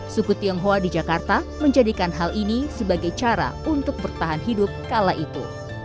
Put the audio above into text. suku tionghoa di jakarta menjadikan hal ini sebagai cara untuk bertahan hidup kala itu